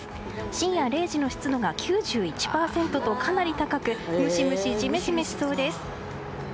深夜０時の湿度が９１％とかなり高くムシムシじめじめしそうです。